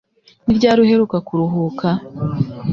Ni ryari uheruka kuruhuka?